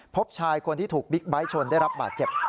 พบชายคนที่ถูกบิ๊กไบท์ชนได้รับบาดเจ็บ